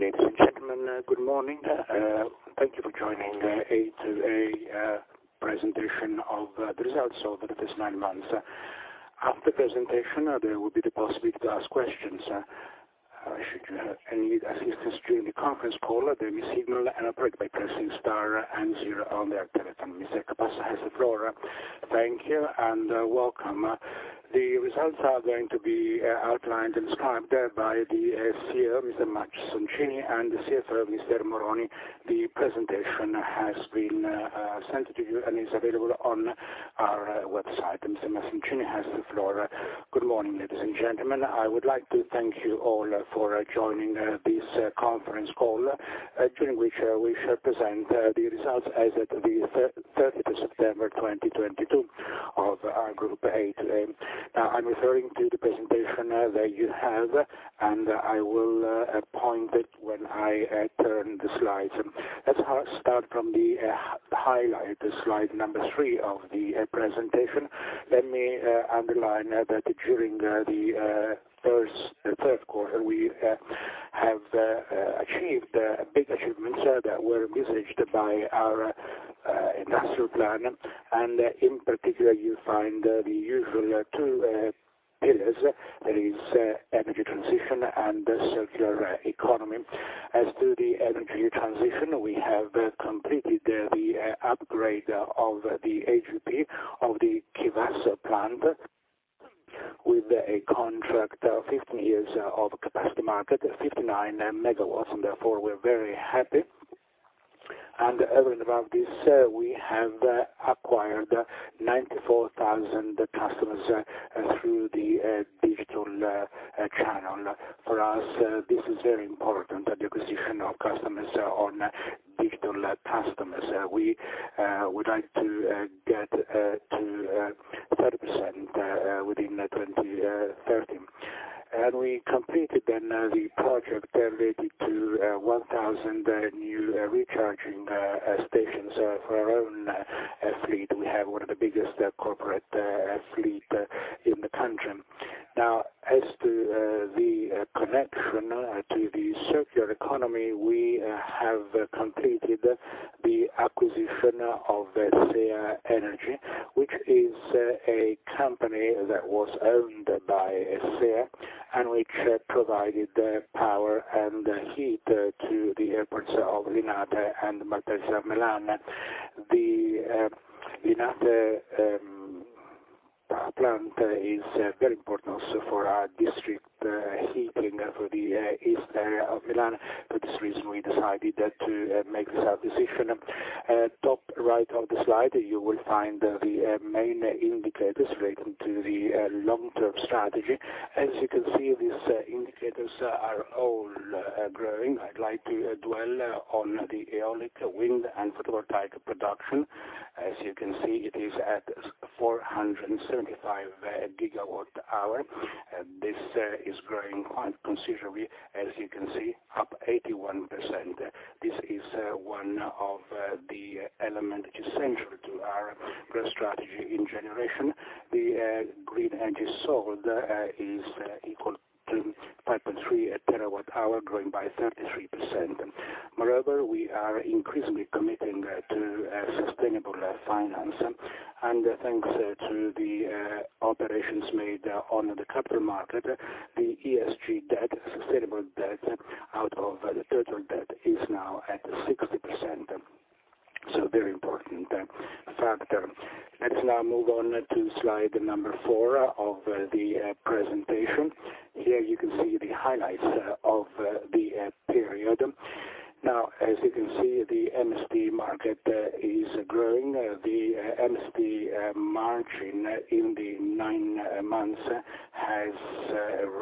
Ladies and gentlemen, good morning. Thank you for joining A2A presentation of the results of these nine months. After the presentation, there will be the possibility to ask questions. If you need any assistance during the conference call, the operator will assist you by pressing star and zero on your telephone. Mr. Marco Porro has the floor. Thank you and welcome. The results are going to be outlined and described by the CEO, Mr. Renato Mazzoncini, and the CFO, Mr. Luca Moroni. The presentation has been sent to you and is available on our website, and Mr. Renato Mazzoncini has the floor. Good morning, ladies and gentlemen. I would like to thank you all for joining this conference call, during which we shall present the results as at 30 September 2022 of our group A2A. Now, I'm referring to the presentation that you have, and I will point it when I turn the slides. Let's start from the highlight, the Slide 3 of the presentation. Let me underline that during the Q3, we have achieved big achievements that were messaged by our industrial plan. In particular, you find the usual two pillars that is energy transition and the circular economy. As to the energy transition, we have completed the upgrade of the CCGT of the Chivasso plant with a contract of 15 years of capacity market, 59 megawatts, and therefore, we're very happy. Even about this, we have acquired 94,000 customers through the digital channel. For us, this is very important, the acquisition of customers on digital customers. We would like to get to 30% within 2030. We completed then the project related to 1,000 new recharging stations for our own fleet. We have one of the biggest corporate fleet in the country. Now, as to the connection to the circular economy, we have completed the acquisition of SEA Energia, which is a company that was owned by SEA and which provided the power and heat to the airports of Linate and Malpensa, Milan. The Linate plant is very important also for our district heating for the east area of Milan. For this reason, we decided to make this decision. Top right of the slide, you will find the main indicators relating to the long-term strategy. As you can see, these indicators are all growing. I'd like to dwell on the eolic, wind, and photovoltaic production. As you can see, it is at 475 GWh. This is growing quite considerably, as you can see, up 81%. This is one of the element essential to our growth strategy in generation. The green energy sold is equal to 2.3 TWh, growing by 33%. Moreover, we are increasingly committing to sustainable finance. Thanks to the operations made on the capital market, the ESG debt, sustainable debt, out of the total debt is now at 60%. Very important factor. Let's now move on to Slide 4 of the presentation. Here you can see the highlights of the period. Now, as you can see, the MSD market is growing. The MSD margin in the nine months has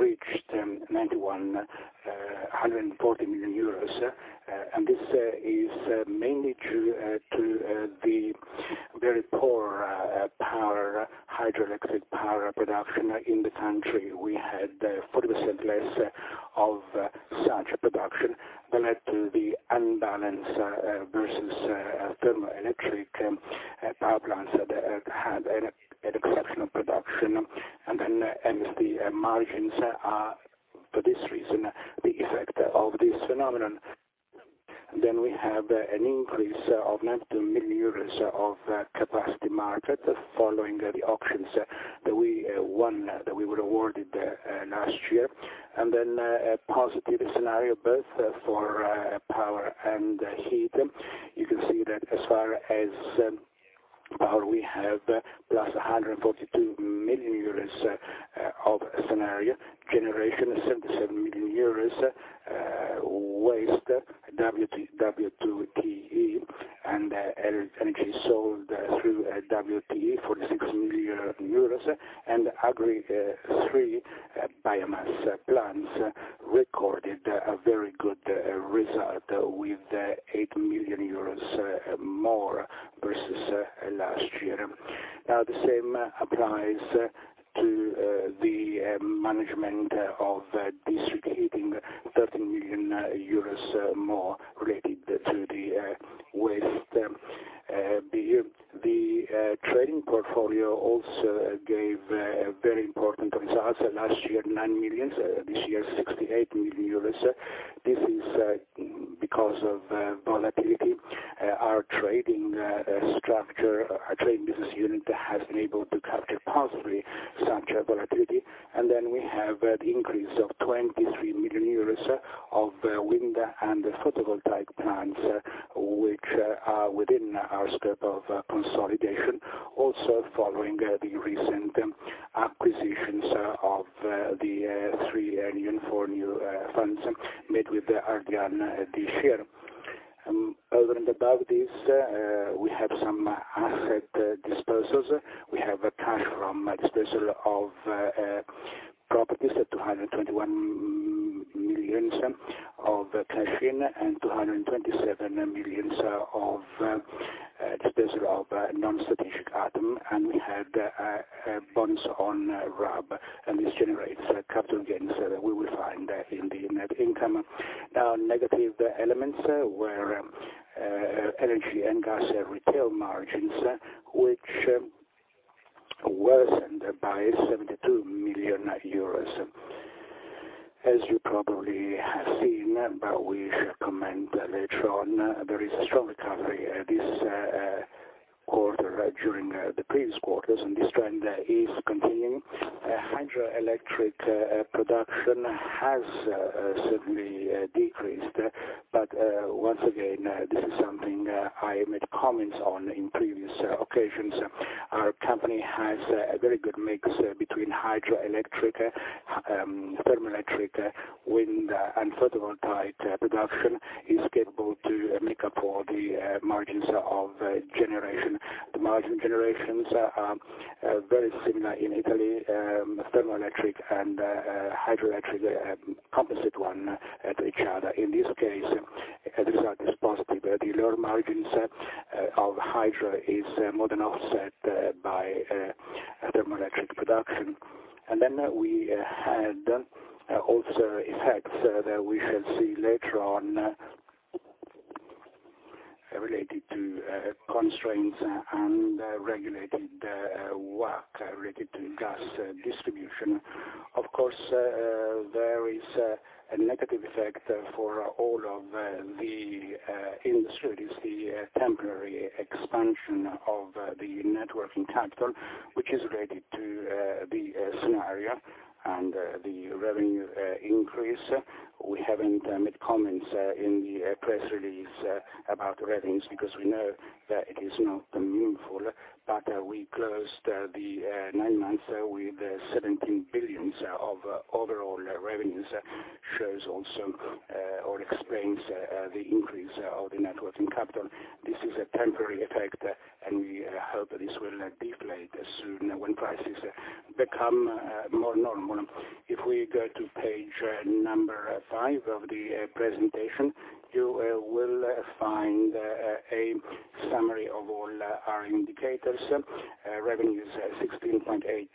reached 914 million euros, and this is mainly due to the very poor hydroelectric power production in the country. We had 40% less of such production that led to the imbalance versus thermoelectric power plants that had an exceptional production. MSD margins are, for this reason, the effect of this phenomenon. We have an increase of 90 million euros of capacity market following the auctions that we won, that we were awarded last year. A positive scenario both for power and heat. You can see that as far as power, we have + 142 million euros of scenario. Generation, 77 million euros. Waste, WTE, and energy sold through WTE, 46 million euros, and agri-three biomass plants recorded a very good result with 8 million euros more versus last year. Now, the same applies to the management of district heating. 13 million euros more related to the waste. The trading portfolio also gave a very important results. Last year, 9 million, this year, 68 million euros. This is because of volatility. Our trading structure, our trading business unit has been able to capture positively such volatility. We have an increase of 23 million euros of wind and photovoltaic plants, which are within our scope of consolidation, also following the recent acquisitions of the 3New and 4New funds made with Ardian this year. Other than the above, we have some asset disposals. We have cash from disposal of properties at 221 million of cash in, and 227 million of disposal of non-strategic item, and we had bonds on RAB, and this generates capital gains that we will find in the net income. Negative elements were energy and gas retail margins, which worsened by 72 million euros. As you probably have seen, but we shall comment later on, there is a strong recovery this quarter during the previous quarters, and this trend is continuing. Hydroelectric production has certainly decreased. Once again, this is something I made comments on in previous occasions. Our company has a very good mix between hydroelectric, thermoelectric, wind, and photovoltaic production, is capable to make up for the margins of generation. The margin generations are very similar in Italy, thermoelectric and hydroelectric, comparable one to each other. In this case, the result is positive. The lower margins of hydro is more than offset by thermoelectric production. We had also effects that we shall see later on, related to contributions and regulated revenues related to gas distribution. Of course, there is a negative effect for all of the industry. It is the temporary expansion of the net working capital, which is related to the scenario and the revenue increase. We haven't made comments in the press release about revenues because we know that it is not meaningful, but we closed the 9 months with 17 billion of overall revenues, shows also or explains the increase of the net working capital. This is a temporary effect, and we hope this will deflate soon when prices become more normal. If we go to page number 5 of the presentation, you will find a summary of all our indicators. Revenues, 16.8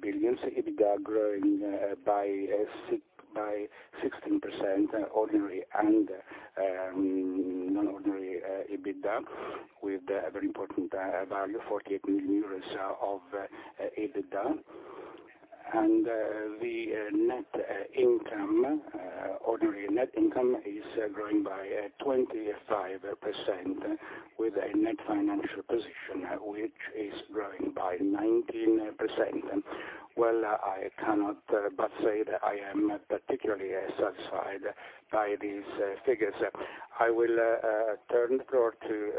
billion. EBITDA growing by 16% ordinary and non-ordinary EBITDA, with a very important value, 48 million euros of EBITDA. The net income, ordinary net income is growing by 25% with a net financial position which is growing by 19%. Well, I cannot but say that I am particularly satisfied by these figures. I will turn the floor to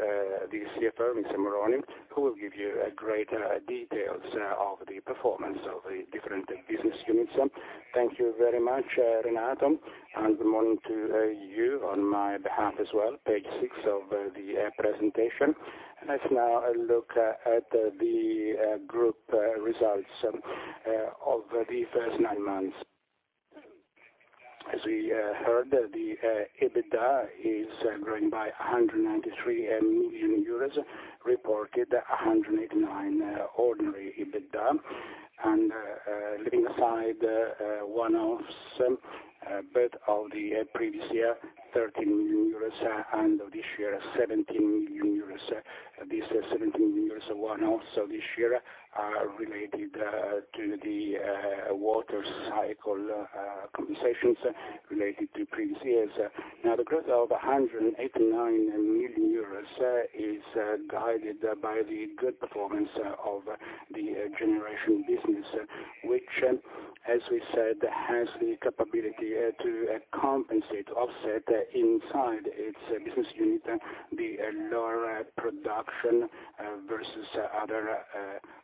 the CFO, Luca Moroni, who will give you a greater details of the performance of the different business units. Thank you very much, Renato, and good morning to you on my behalf as well. Page six of the presentation. Let's now look at the group results of the first nine months. As we heard, the EBITDA is growing by 193 million euros, reported 189 million ordinary EBITDA. Leaving aside one-offs from the previous year, 13 million euros, and this year, 17 million euros. These 17 million euros one-offs this year are related to the water cycle compensations related to previous years. Now, the growth of 189 million euros is guided by the good performance of the generation business, which, as we said, has the capability to compensate, offset inside its business unit, the lower production versus other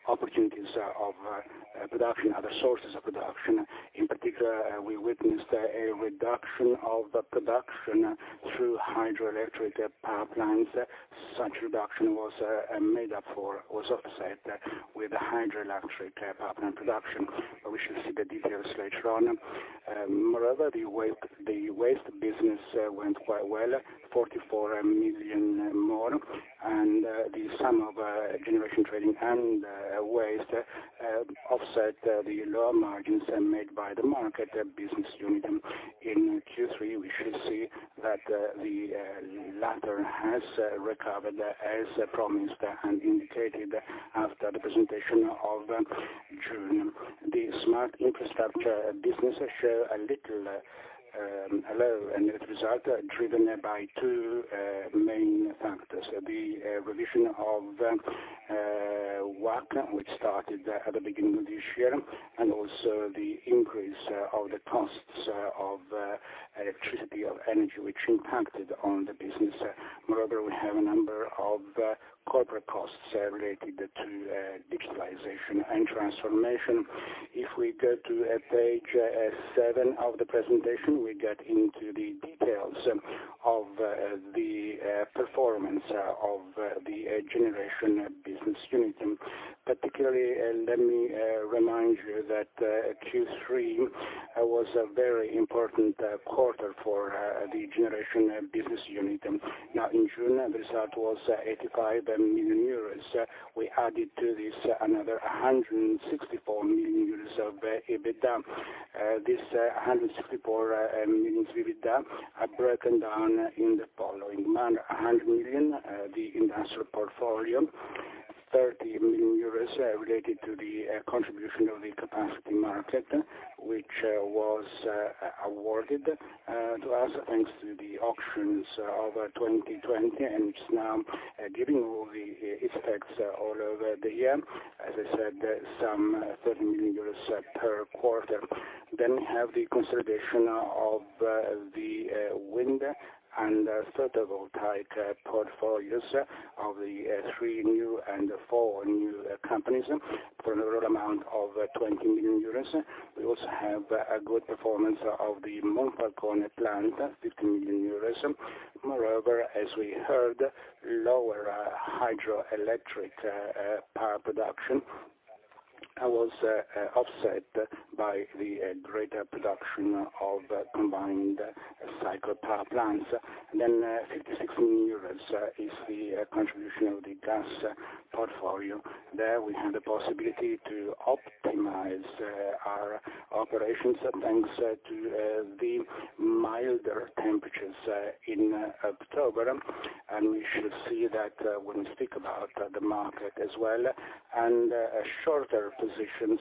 opportunities of production, other sources of production. In particular, we witnessed a reduction of the production through hydroelectric power plants. Such reduction was offset with the hydroelectric power plant production. We should see the details later on. Moreover, the waste business went quite well, 44 million more, and the sum of generation trading and waste offset the lower margins made by the market, the business unit. In Q3, we should see that the latter has recovered as promised and indicated after the presentation of June. The smart infrastructure business show a little low end result, driven by two main factors, the revision of work, which started at the beginning of this year, and also the increase of the costs of electricity, of energy, which impacted on the business. Moreover, we have a number of corporate costs related to digitalization and transformation. If we go to page seven of the presentation, we get into the details of the performance of the generation business unit. Particularly, let me remind you that Q3 was a very important quarter for the generation business unit. Now, in June, the result was 85 million euros. We added to this another 164 million euros of EBITDA. This 164 million EBITDA are broken down in the following manner: 100 million, the industrial portfolio, 30 million euros related to the contribution of the capacity market, which was awarded to us, thanks to the auctions over 2020, and it's now giving all the effects all over the year. As I said, some 30 million euros per quarter. We have the consolidation of the wind and photovoltaic portfolios of the 3New and 4New companies for an overall amount of 20 million euros. We also have a good performance of the Monfalcone plant, 15 million euros. Moreover, as we heard, lower hydroelectric power production was offset by the greater production of combined cycle power plants. 56 million euros is the contribution of the gas portfolio. There, we had the possibility to optimize our operations, thanks to the milder temperatures in October, and we should see that when we speak about the market as well, and shorter positions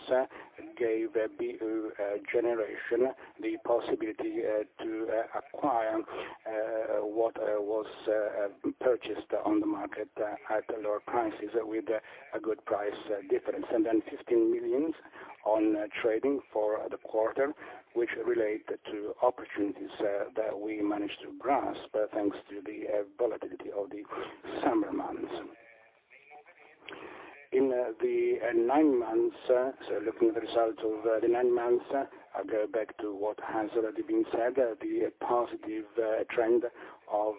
gave BU generation the possibility to acquire what was purchased on the market at lower prices with a good price difference. 15 million EUR on trading for the quarter, which relate to opportunities that we managed to grasp, thanks to the volatility of the summer months. In the nine months, so looking at the results of the nine months, I go back to what has already been said, the positive trend of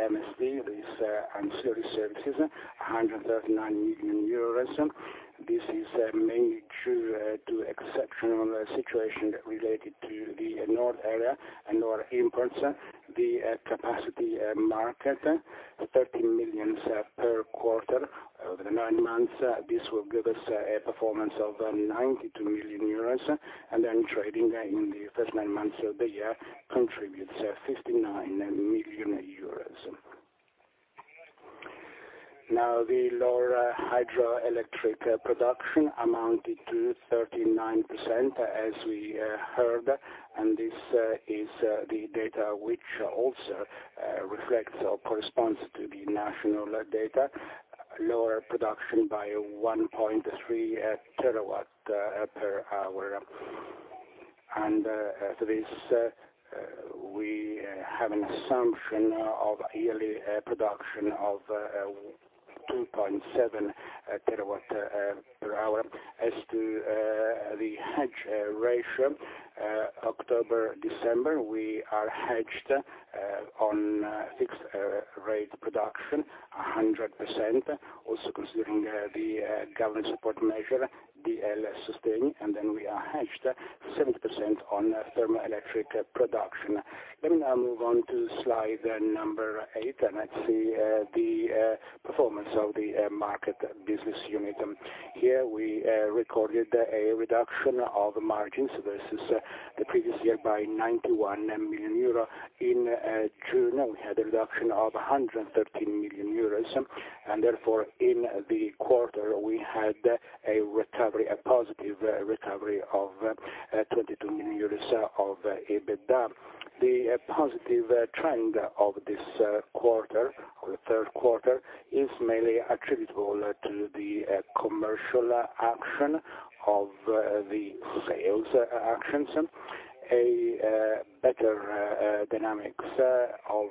MSD, these ancillary services, 139 million euros. This is mainly due to exceptional situation related to the north area and lower imports. The capacity market, 13 million per quarter. Over the nine months, this will give us a performance of 92 million euros. Trading in the first nine months of the year contributes 59 million euros. Now, the lower hydroelectric production amounted to 39%, as we heard, and this is the data which also reflects or corresponds to the national data, lower production by 1.3 terawatt-hours. To this, we have an assumption of yearly production of 2.7 terawatt-hours. As to the hedge ratio, October, December, we are hedged on fixed rate production 100%, also considering the government support measure, DL Sostegni, and then we are hedged 70% on thermoelectric production. Let me now move on to Slide 8, and let's see the performance of the market business unit. Here we recorded a reduction of margins versus the previous year by 91 million euro. In June, we had a reduction of 113 million euros, and therefore, in the quarter, we had a recovery, a positive recovery of 22 million euros of EBITDA. The positive trend of this quarter, of the Q3, is mainly attributable to the commercial action of the sales actions, a better dynamics of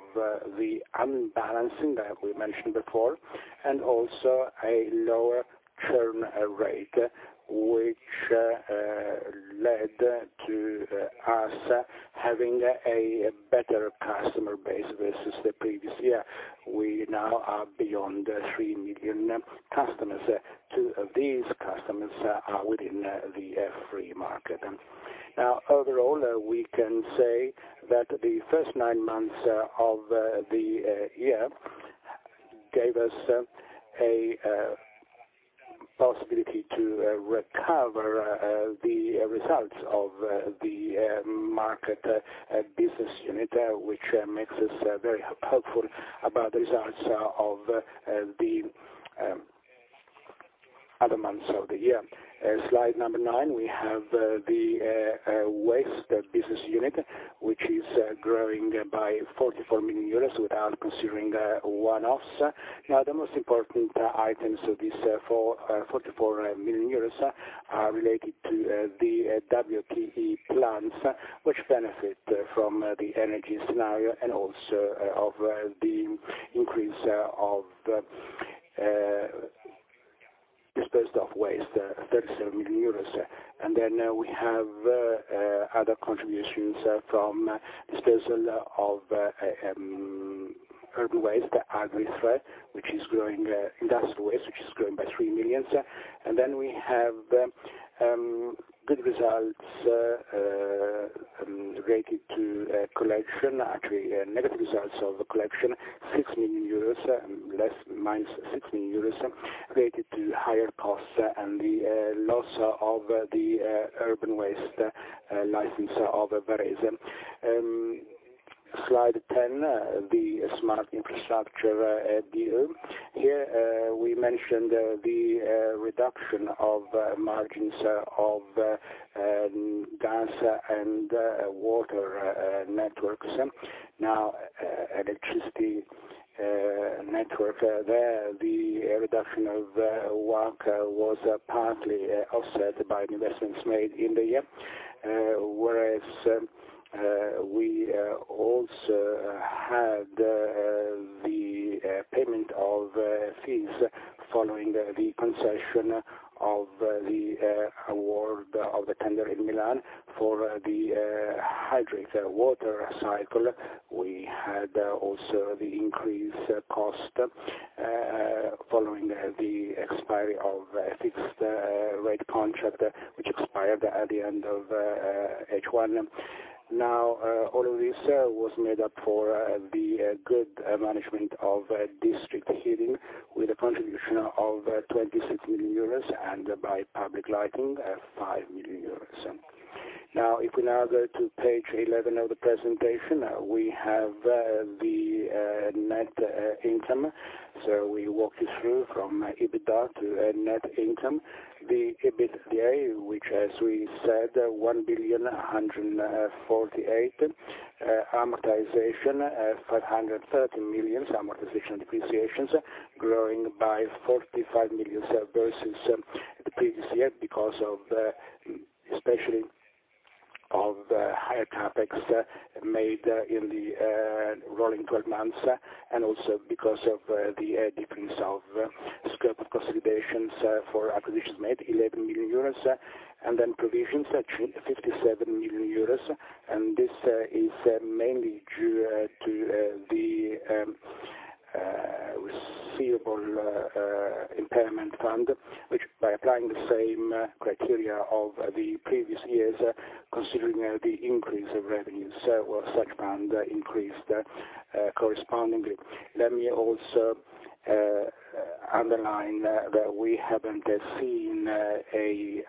the unbalancing that we mentioned before, and also a lower churn rate, which led to us having a better customer base versus the previous year. We now are beyond 3 million customers. Two of these customers are within the free market. Now, overall, we can say that the first nine months of the year gave us a possibility to recover the results of the market business unit, which makes us very hopeful about the results of the other months of the year. Slide 9, we have the waste business unit, which is growing by 44 million euros without considering one-offs. Now, the most important items of this 44 million euros are related to the WTE plants, which benefit from the energy scenario and also of the increase of disposed of waste, 37 million euros. Then we have other contributions from disposal of urban waste, agri, which is growing, industrial waste, which is growing by 3 million. Then we have good results related to collection, actually negative results of collection, minus 6 million euros, related to higher costs and the loss of the urban waste license of Arezzo. Slide 10, the smart infrastructure deal. Here, we mentioned the reduction of margins of gas and water networks. Now, electricity network, the reduction of work was partly offset by investments made in the year. Whereas, we also had the payment of fees following the concession of the award of the tender in Milan for the integrated water cycle. We had also the increased cost, following the expiry of a fixed rate contract, which expired at the end of H1. Now, all of this was made up for the good management of district heating with a contribution of 26 million euros and by public lighting, five million euros. Now, if we now go to page 11 of the presentation, we have the net income. We walk you through from EBITDA to net income. The EBITDA, which as we said, 1,148 million. Amortization, 530 million. Amortization depreciations growing by 45 million euros versus the previous year because of, especially of higher CapEx made in the, rolling twelve months, and also because of the decrease of scope of consolidations for acquisitions made, 11 million euros, and then provisions, 57 million euros. This is mainly due to the receivable impairment fund, which by applying the same criteria of the previous years, considering the increase of revenues, well such fund increased correspondingly. Let me also underline that we haven't seen a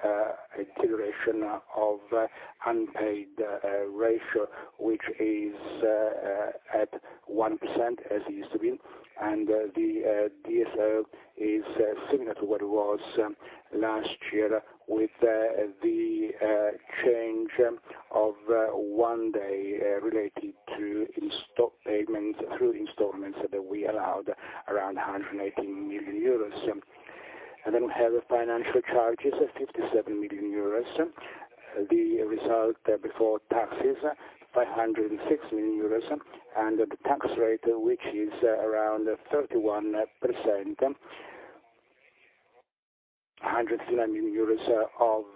deterioration of unpaid ratio, which is at 1%, as it used to be. The DSO is similar to what it was last year with the change of 1 day related to installment payments through installments that we allowed around 118 million euros. We have financial charges of 57 million euros. The result before taxes, 506 million euros. The tax rate, which is around 31%, EUR 100 million of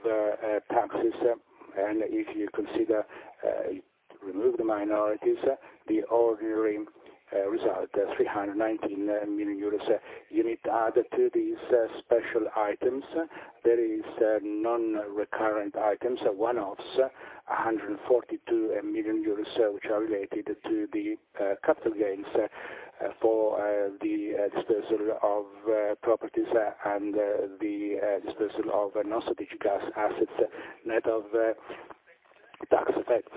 taxes. If you consider remove the minorities, the ordinary result, 319 million euros. You need to add to these special items. There is non-recurring items, one-offs, 142 million euros, which are related to the capital gains for the disposal of properties and the disposal of non-strategic gas assets net of tax effects.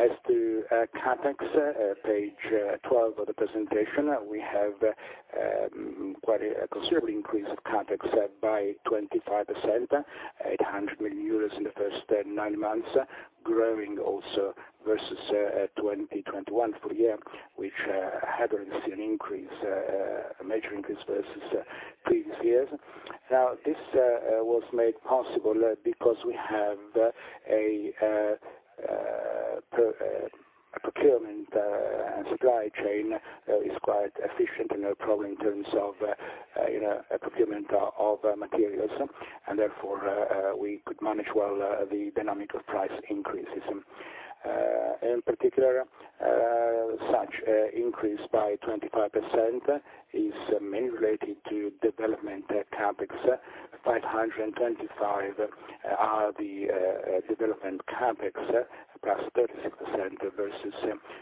As to CapEx, page 12 of the presentation, we have quite a considerably increased CapEx by 25%, 800 million euros in the first nine months, growing also versus 2021 full year, which had already seen a major increase versus previous years. Now, this was made possible because we have a procurement and supply chain is quite efficient and no problem in terms of, you know, procurement of materials. Therefore, we could manage well the dynamics of price increases. In particular, such increase by 25% is mainly related to development CapEx. 525 are the development CapEx, +36% versus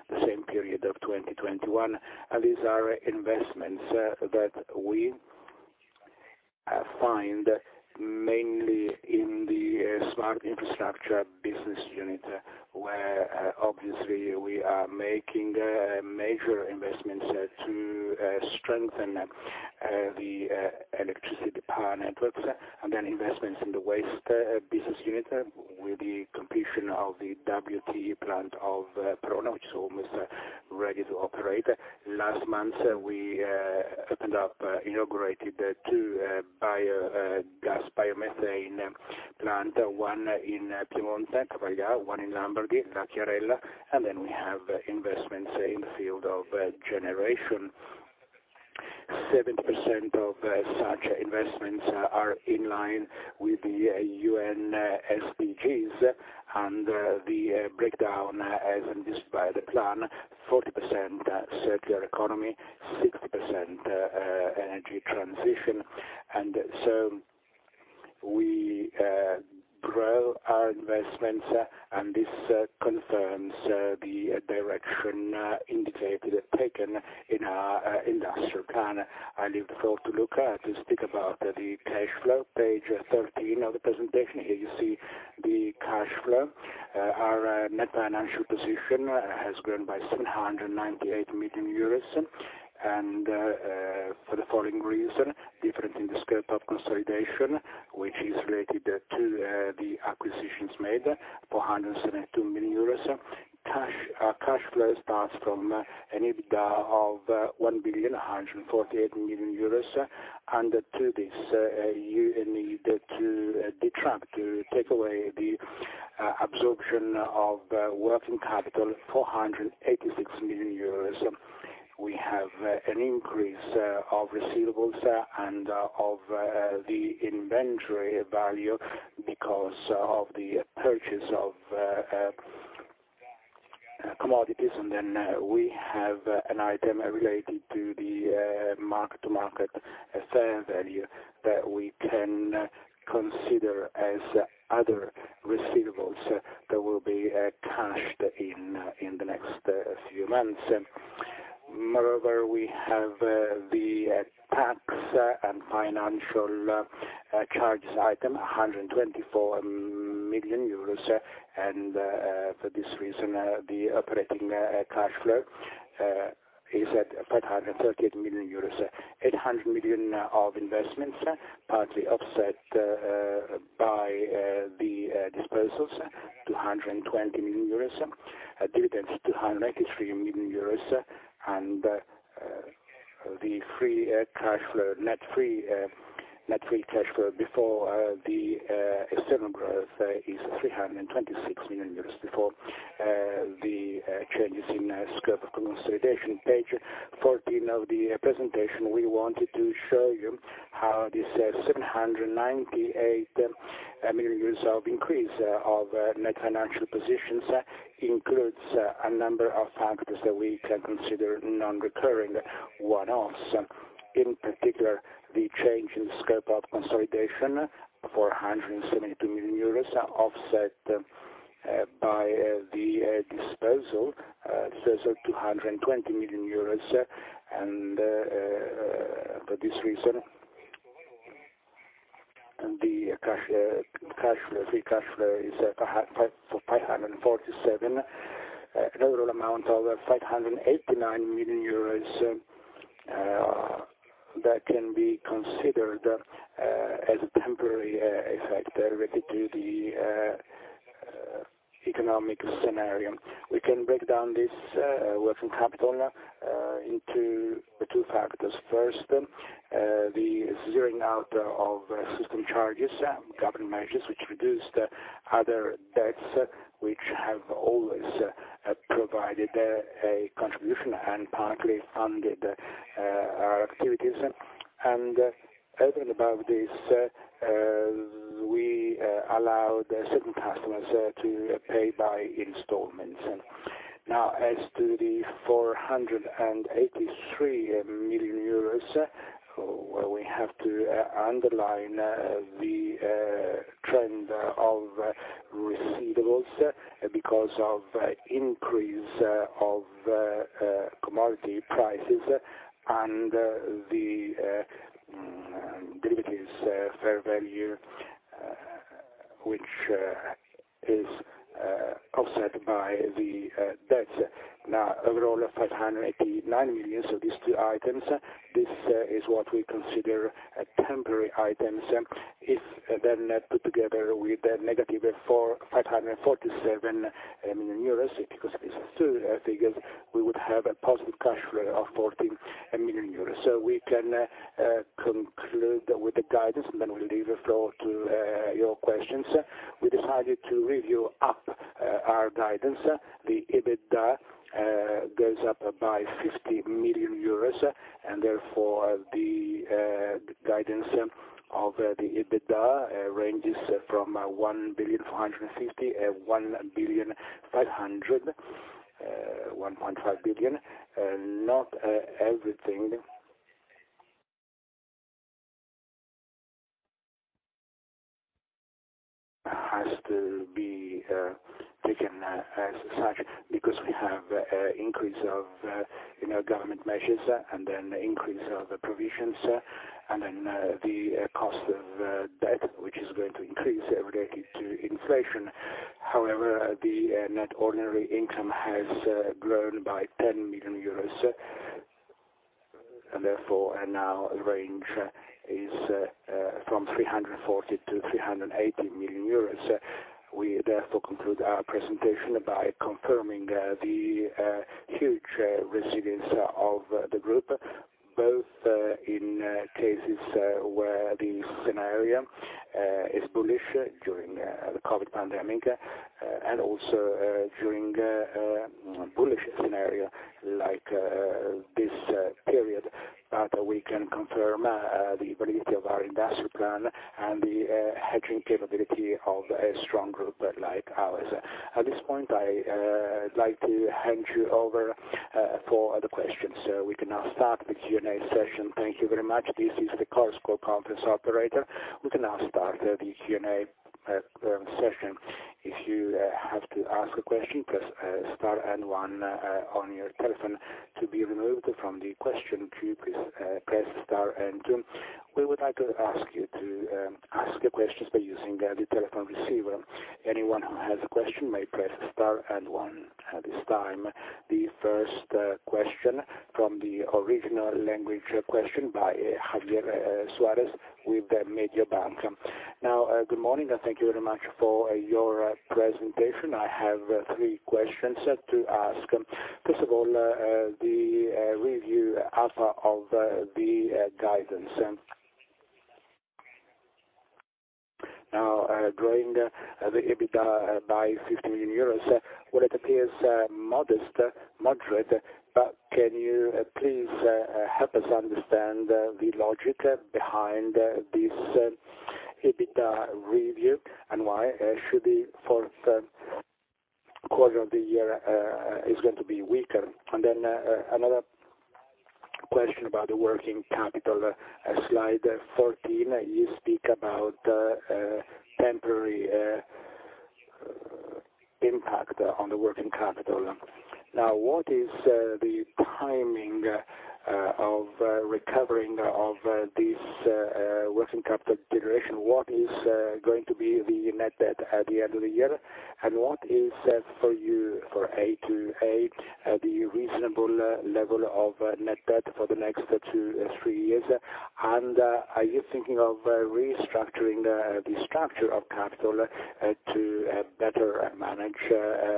the same period of 2021. These are investments that we fund mainly in the smart infrastructure business unit, where obviously we are making major investments to strengthen the electric power networks. Investments in the waste business unit with the completion of the WTE plant of Coriano, which is almost ready to operate. Last month, we inaugurated 2 biomethane plants, one in Piedmont, Cavaglià, one in Lombardy, Lacchiarella. We have investments in the field of generation. 70% of such investments are in line with the UN SDGs, and the breakdown as described the plan, 40% circular economy, 60% energy transition. We grow our investments, and this confirms the direction indicated taken in our industrial plan. I leave the floor to Luca to speak about the cash flow. Page 13 of the presentation. Here you see the cash flow. Our net financial position has grown by 798 million euros, and for the following reason, difference in the scope of consolidation, which is related to the acquisitions made, 472 million euros. Cash flow starts from an EBITDA of 1,148 million euros. To this, you need to detract, to take away the absorption of working capital, 486 million euros. We have an increase of receivables and of the inventory value because of the purchase of commodities. Then, we have an item related to the mark-to-market fair value that we can consider as other receivables that will be cashed in in the next few months. Moreover, we have the tax and financial charges item, 124 million euros. For this reason, the operating cash flow is at EUR 538 million. 800 million of investments, partly offset by the disposals, 220 million euros. Dividends, 293 million euros. The free cash flow, net free cash flow before the external growth is 326 million euros before the changes in scope of consolidation. Page 14 of the presentation, we wanted to show you how this 798 million euros of increase of net financial positions includes a number of factors that we can consider non-recurring one-offs. In particular, the change in scope of consolidation, 472 million euros, offset by the disposal, 220 million euros. For this reason, the cash flow, free cash flow is 547. Total amount of 589 million euros that can be considered as a temporary effect related to the economic scenario. We can break down this working capital into two factors. First, the zeroing out of system charges, government measures which reduced other debts, which have always provided a contribution and partly funded our activities. Other than above this, we allowed certain customers to pay by installments. Now, as to the 483 million euros, well, we have to underline the trend of receivables because of increase of commodity prices and the fair value which is offset by the debts. Now, overall of 589 million. These two items, this is what we consider a temporary items. If then put together with the negative 547 million euros, because of these two figures, we would have a positive cash flow of 14 million euros. We can conclude with the guidance, and then we'll leave the floor to your questions. We decided to revise up our guidance. The EBITDA goes up by 50 million euros, and therefore the guidance of the EBITDA ranges from 1.45 billion to 1.5 billion. Not everything has to be taken as such because we have increase of, you know, government measures, and then increase of the provisions, and then the cost of debt, which is going to increase related to inflation. However, the net ordinary income has grown by 10 million euros, and therefore our range is from 340 million to 380 million euros. We therefore conclude our presentation by confirming the huge resilience of the group, both in cases where the scenario is bullish during the COVID pandemic, and also during a bullish scenario like this period. We can confirm the validity of our industrial plan and the hedging capability of a strong group like ours. At this point, I would like to hand you over for the questions. We can now start the Q&A session. Thank you very much. This is the Chorus Call conference operator. We can now start the Q&A session. If you have to ask a question, press star and one on your telephone. To be removed from the question queue, please press star and two. We would like to ask you to ask your questions by using the telephone receiver. Anyone who has a question may press star and one. At this time, the first question from the original language by Javier Suarez with Mediobanca. Good morning, and thank you very much for your presentation. I have three questions to ask. First of all, the upward review of the guidance. Growing the EBITDA by 50 million euros, well, it appears modest, moderate, but can you please help us understand the logic behind this EBITDA review and why the Q4 of the year is going to be weaker? Another question about the working capital, Slide 14, you speak about temporary impact on the working capital. Now, what is the timing of recovering of this working capital generation? What is going to be the net debt at the end of the year? What is, for you, for A2A, the reasonable level of net debt for the next two, three years? Are you thinking of restructuring the structure of capital to better manage,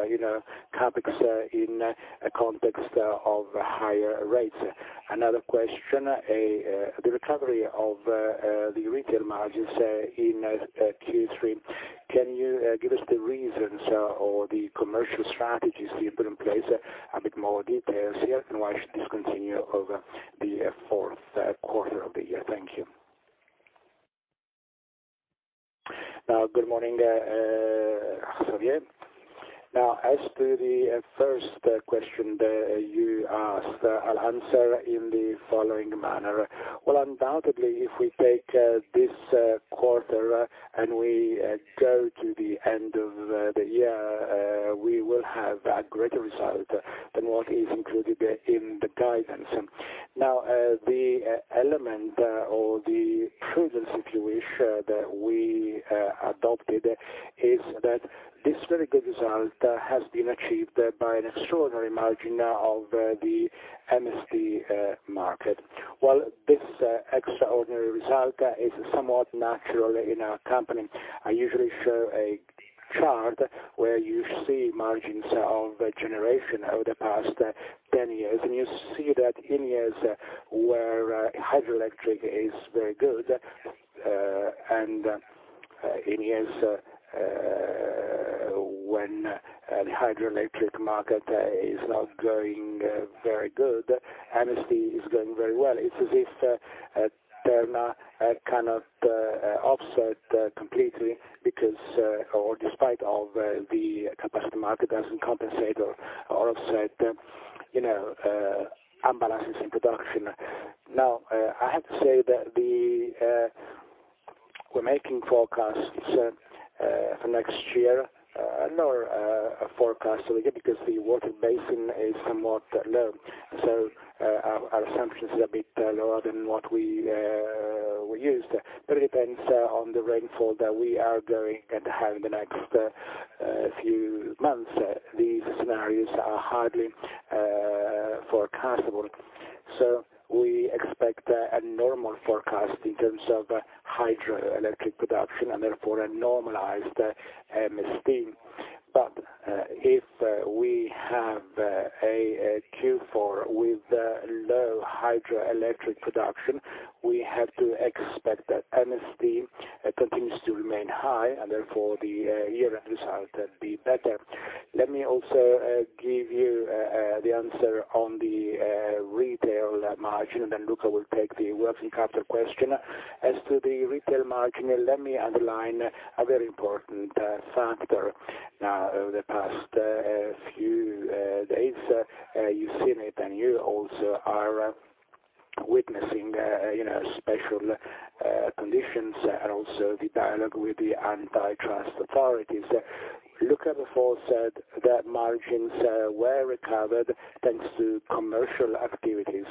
you know, CapEx in a context of higher rates? Another question, the recovery of the retail margins in Q3, can you give us the reasons or the commercial strategies you put in place, a bit more details here, and why should this continue over the Q4 of the year? Thank you. Good morning, Javier. Now, as to the first question that you asked, I'll answer in the following manner. Well, undoubtedly, if we take this quarter and we go to the end of the year, we will have a greater result than what is included in the guidance. Now, the element or the prudence, if you wish, that we adopted is that this very good result has been achieved by an extraordinary margin of the MSD market. While this extraordinary result is somewhat natural in our company, I usually show a chart where you see margins of generation over the past 10 years, and you see that in years where hydroelectric is very good and in years when the hydroelectric market is not going very good, MSD is going very well. It's as if Terna cannot offset completely because or despite of the capacity market doesn't compensate or offset you know imbalances in production. Now I have to say that we're making forecasts for next year, not a forecast that we get because the water basin is somewhat low. Our assumptions is a bit lower than what we we used. It depends on the rainfall that we are going to have in the next few months. These scenarios are hardly foreseeable. We expect a normal forecast in terms of hydroelectric production, and therefore a normalized MSD. If we have a Q4 with low hydroelectric production, we have to expect that MSD continues to remain high, and therefore the year-end result will be better. Let me also give you the answer on the retail margin, and then Luca will take the working capital question. As to the retail margin, let me underline a very important factor. Now, over the past few days, you've seen it, and you also are witnessing you know, special conditions, and also the dialogue with the antitrust authorities. Luca before said that margins were recovered, thanks to commercial activities.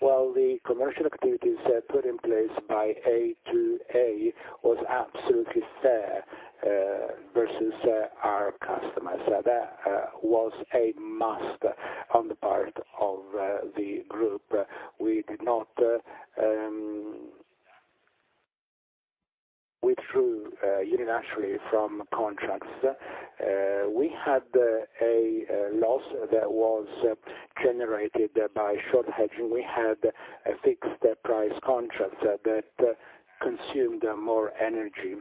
Well, the commercial activities put in place by A2A was absolutely fair versus our customers. That was a must on the part of the group. We did not withdrew unilaterally from contracts. We had a loss that was generated by short hedging. We had a fixed price contracts that consumed more energy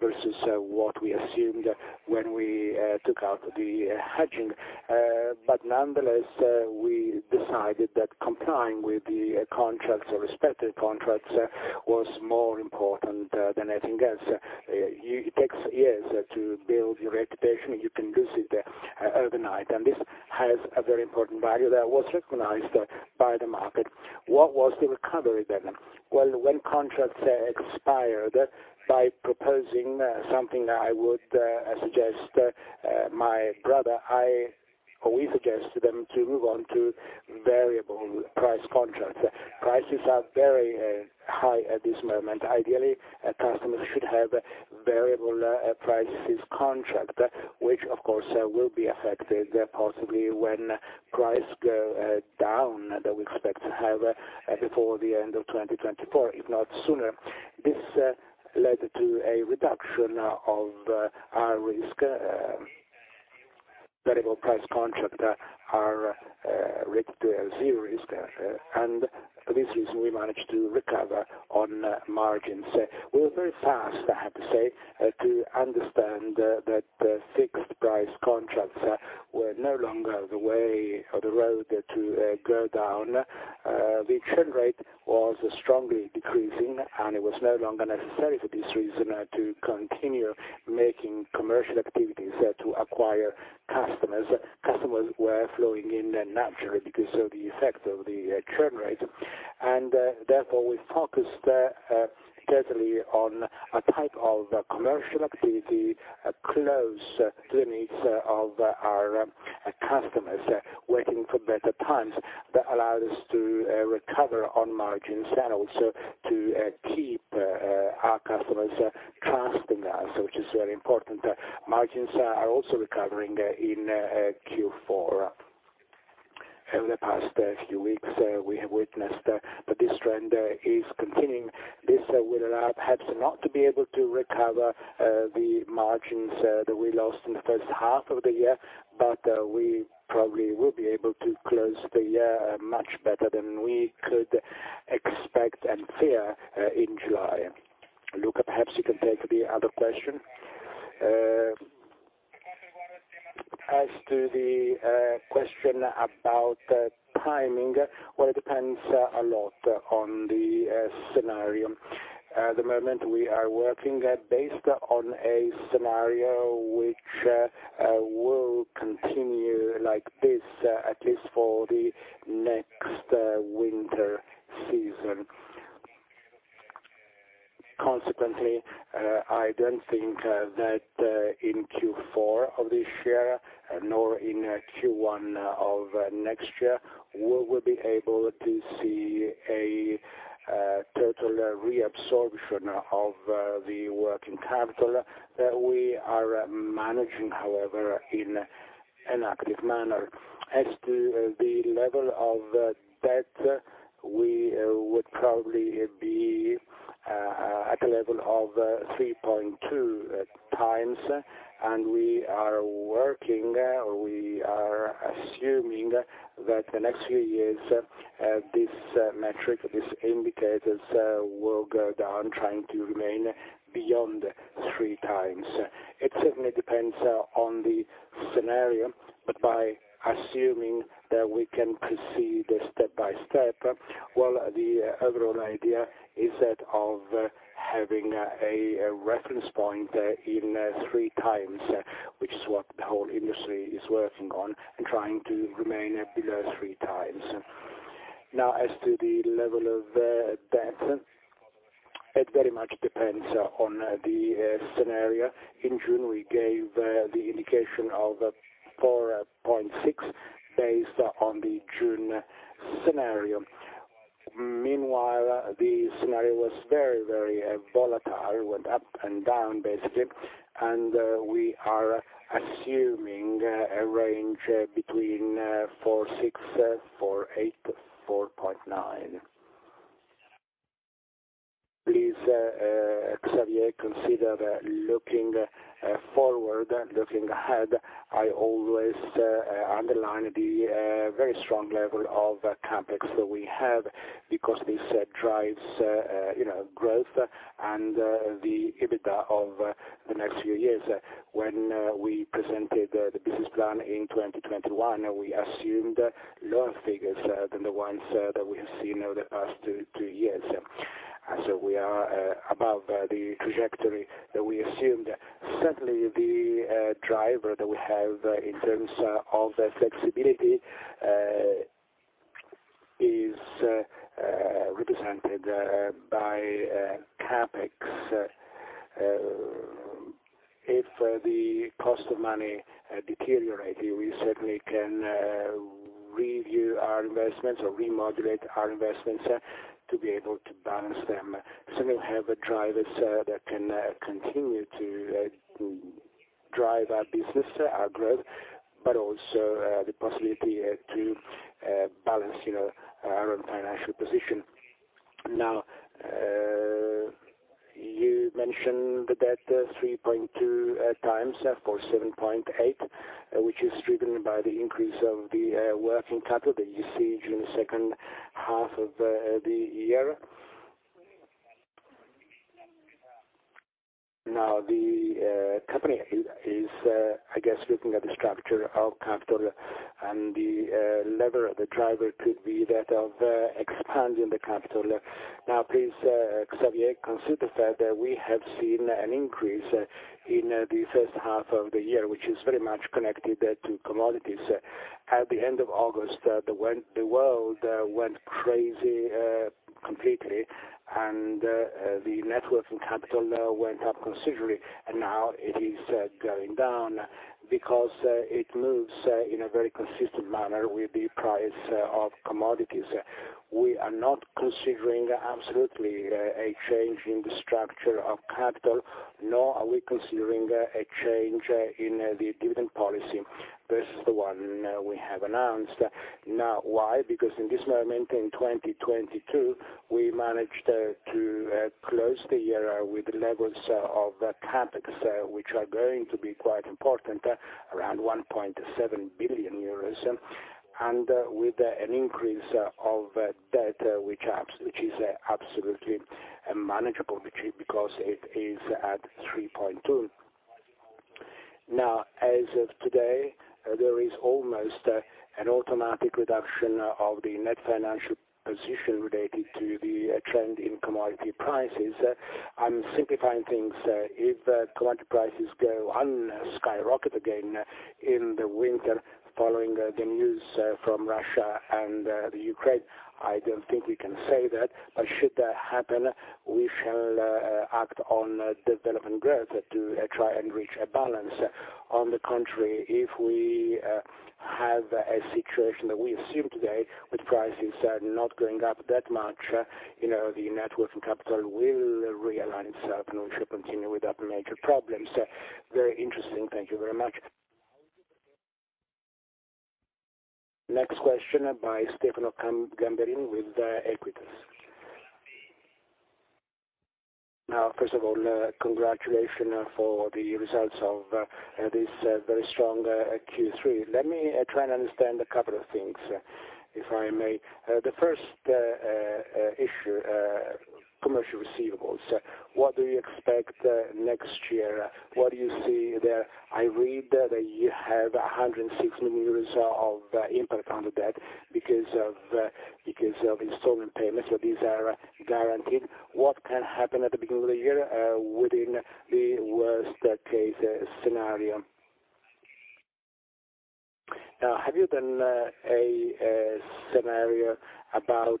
versus what we assumed when we took out the hedging. But nonetheless, we decided that complying with the contracts, respective contracts, was more important than anything else. It takes years to build your reputation, you can lose it overnight. This has a very important value that was recognized by the market. What was the recovery then? Well, when contracts expired, by proposing something that I would suggest, my brother, I, or we suggest to them to move on to variable price contracts. Prices are very high at this moment. Ideally, customers should have variable price contracts, which of course will be affected possibly when prices go down, that we expect to have before the end of 2024, if not sooner. This led to a reduction of our risk. Variable price contracts are reduced to zero risk. For this reason, we managed to recover on margins. We were very fast, I have to say, to understand that fixed price contracts were no longer the way or the road to go down. The churn rate was strongly decreasing, and it was no longer necessary for this reason to continue making commercial activities to acquire customers. Customers were flowing in naturally because of the effect of the churn rate. Therefore, we focused carefully on a type of commercial activity close to the needs of our customers, waiting for better times. That allowed us to recover on margins, and also to keep our customers trusting us, which is very important. Margins are also recovering in Q4. Over the past few weeks, we have witnessed that this trend is continuing. This will allow perhaps not to be able to recover the margins that we lost in the first half of the year, but we probably will be able to close the year much better than we could expect and fear in July. Luca, perhaps you can take the other question. As to the question about timing, well, it depends a lot on the scenario. At the moment we are working based on a scenario which will continue like this at least for the next winter season. Consequently, I don't think that in Q4 of this year, nor in Q1 of next year, we will be able to see a total reabsorption of the working capital that we are managing, however, in an active manner. As to the level of debt, we would probably be at a level of 3.2x, and we are working, or we are assuming that the next few years, this metric, these indicators, will go down, trying to remain below 3x. It certainly depends on the scenario, but by assuming that we can proceed step by step, well, the overall idea is that of having a reference point in 3x, which is what the whole industry is working on, and trying to remain below 3x. Now as to the level of debt, it very much depends on the scenario. In June, we gave the indication of 4.6x based on the June scenario. Meanwhile, the scenario was very, very volatile. It went up and down, basically, and we are assuming a range between 4.6%, 4.8%, 4.9%. Please, Javier, consider that looking forward, looking ahead, I always underline the very strong level of CapEx that we have because this drives, you know, growth and the EBITDA of the next few years. When we presented the business plan in 2021, we assumed lower figures than the ones that we have seen over the past two years. We are above the trajectory that we assumed. Certainly, the driver that we have in terms of flexibility is represented by CapEx. If the cost of money deteriorated, we certainly can review our investments or remodulate our investments to be able to balance them. We have drivers that can continue to drive our business, our growth, but also the possibility to balance, you know, our own financial position. Now you mentioned that the 3.2 times for 7.8, which is driven by the increase of the working capital that you see during the second half of the year. Now the company is, I guess, looking at the structure of capital and the lever of the driver could be that of expanding the capital. Now please, Javier, consider the fact that we have seen an increase in the first half of the year, which is very much connected to commodities. At the end of August, the world went crazy completely, and the net working capital went up considerably, and now it is going down because it moves in a very consistent manner with the price of commodities. We are not considering absolutely a change in the structure of capital, nor are we considering a change in the dividend policy versus the one we have announced. Now, why? Because in this moment, in 2022, we managed to close the year with levels of CapEx, which are going to be quite important, around 1.7 billion euros, and with an increase of debt, which is absolutely manageable, because it is at 3.2. Now, as of today, there is almost an automatic reduction of the net financial position related to the trend in commodity prices. I'm simplifying things. If commodity prices go and skyrocket again in the winter following the news from Russia and the Ukraine, I don't think we can say that. Should that happen, we shall act on development growth to try and reach a balance. On the contrary, if we have a situation that we assume today with prices not going up that much, you know, the net working capital will realign itself, and we should continue without major problems. Very interesting. Thank you very much. Next question by Stefano Gamberini with Equita. Now, first of all, congratulations for the results of this very strong Q3. Let me try and understand a couple of things, if I may. The first issue, commercial receivables, what do you expect next year? What do you see there? I read that you have 160 million euros of impact on debt because of installment payments. These are guaranteed. What can happen at the beginning of the year within the worst case scenario? Have you done a scenario about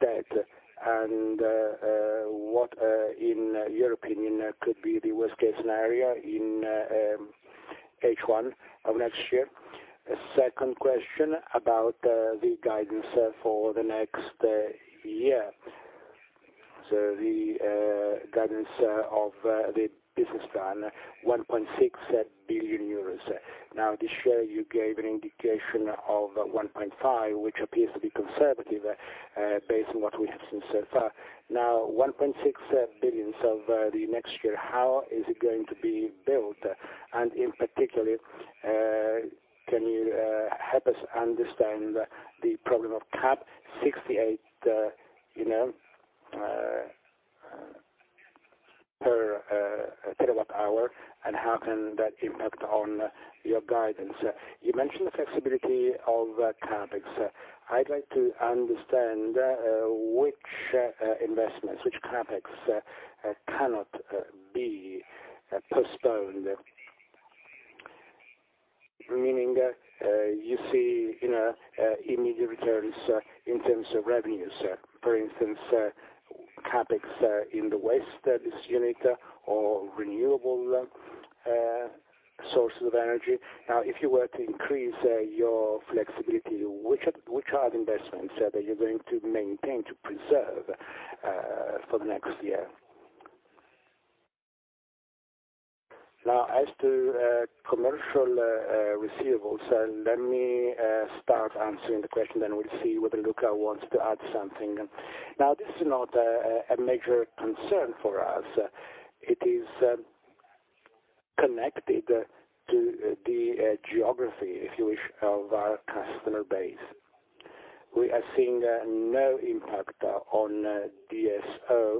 debt and what, in your opinion, could be the worst case scenario in H1 of next year? Second question about the guidance for the next year. The guidance of the business plan, 1.6 billion euros. Now, this year, you gave an indication of 1.5 billion, which appears to be conservative based on what we have seen so far. Now, 1.6 billion of the next year, how is it going to be built? In particular, can you help us understand the problem of cap 68 EUR per kWh, you know, and how can that impact on your guidance? You mentioned the flexibility of CapEx. I'd like to understand which investments which CapEx cannot be postponed. Meaning you see, you know, immediate returns in terms of revenues. For instance, CapEx in the waste unit or renewable sources of energy. Now, if you were to increase your flexibility, which are the investments that you're going to maintain to preserve for the next year? Now, as to commercial receivables, let me start answering the question, then we'll see whether Luca wants to add something. Now, this is not a major concern for us. It is connected to the geography, if you wish, of our customer base. We are seeing no impact on DSO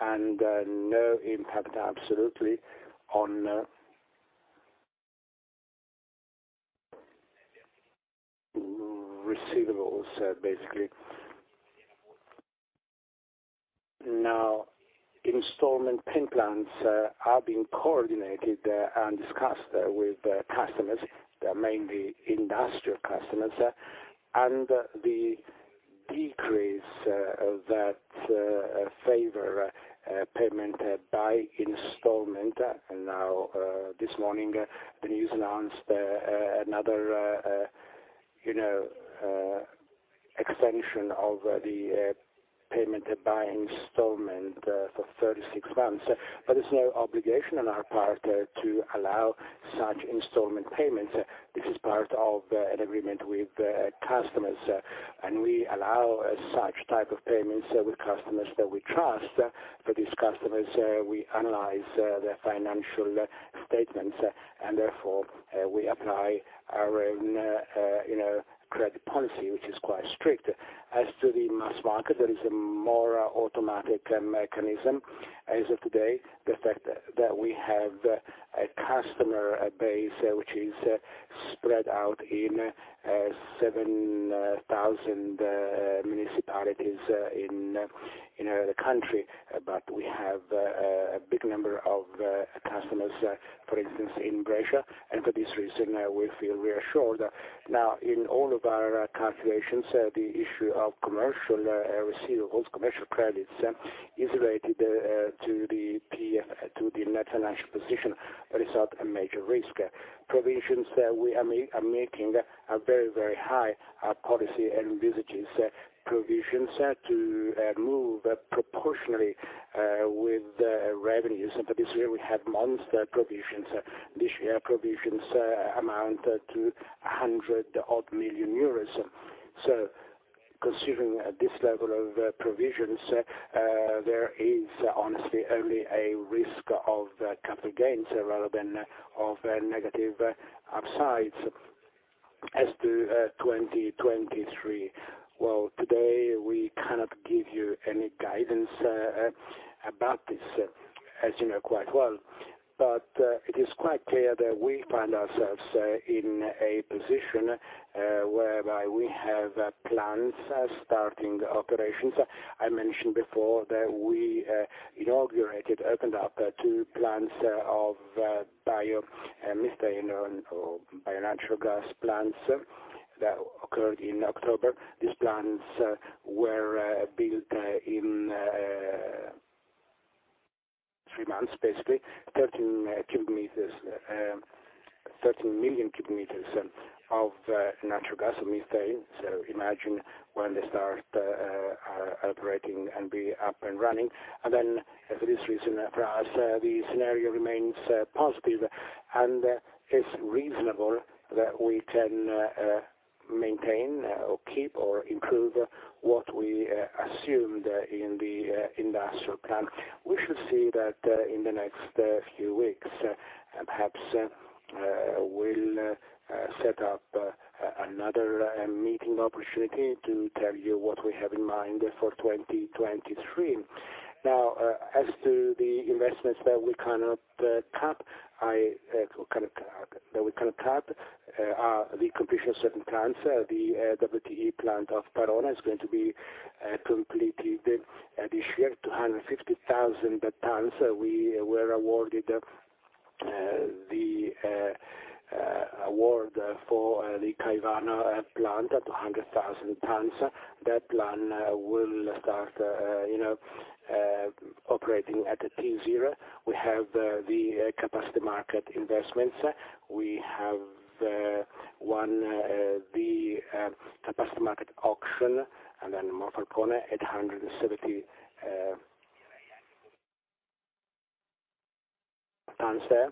and no impact absolutely on receivables, basically. Now, installment payment plans are being coordinated and discussed with customers. They're mainly industrial customers, and the decrease of that in favor of payment by installment. Now this morning the news announced another you know extension of the payment by installment for 36 months. There's no obligation on our part to allow such installment payments. This is part of an agreement with customers and we allow such type of payments with customers that we trust. For these customers, we analyze their financial statements, and therefore, we apply our own, you know, credit policy, which is quite strict. As to the mass market, there is a more automatic mechanism. As of today, the fact that we have a customer base which is spread out in 7,000 municipalities in the country, but we have a big number of customers, for instance, in Brescia, and for this reason, we feel reassured. Now, in all of our calculations, the issue of commercial receivables, commercial credits is related to the net financial position, but it's not a major risk. Provisions we are making are very, very high. Our policy envisages provisions to move proportionally with revenues. For this year, we have monster provisions. This year, provisions amount to 100-odd million euros. Considering this level of provisions, there is honestly only a risk of capital gains rather than of negative upsides. As to 2023, well, today, we cannot give you any guidance about this, as you know quite well. It is quite clear that we find ourselves in a position whereby we have plans starting operations. I mentioned before that we inaugurated, opened up two plants of biomethane or bio-natural gas plants that occurred in October. These plants were built in 3 months, basically, 13 million cubic meters of natural gas or methane. Imagine when they start operating and be up and running. For this reason, for us, the scenario remains positive, and it's reasonable that we can maintain or keep or improve what we assumed in the industrial plan. We should see that in the next few weeks. Perhaps we'll set up another meeting opportunity to tell you what we have in mind for 2023. Now, as to the investments that we cannot cap are the completion of certain plants. The WTE plant of Verona is going to be completed this year, 250,000 tons. We were awarded the award for the Caivano plant at 100,000 tons. That plant will start, you know, operating at T zero. We have the capacity market investments. We have won the capacity market auction, and then Monfalcone at 170 tons there